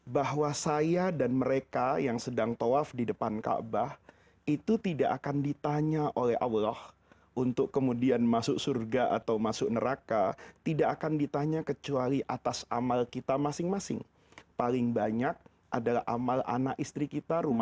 bahwa saya dan mereka yang sedang tawaf di masjid itu